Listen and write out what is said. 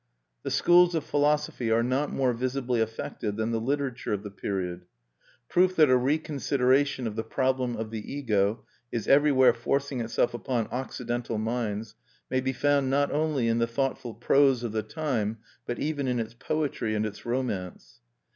The schools of philosophy are not more visibly affected than the literature of the period. Proof that a reconsideration of the problem of the Ego is everywhere forcing itself upon Occidental minds, may be found not only in the thoughtful prose of the time, but even in its poetry and its romance.